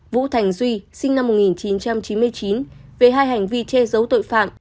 vũ thành duy sinh năm một nghìn chín trăm chín mươi chín về hai hành vi che giấu tội phạm